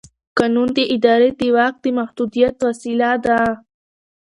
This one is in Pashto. قانون د ادارې د واک د محدودیت وسیله ده.